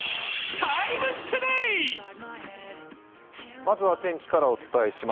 まずは天気からお伝えします。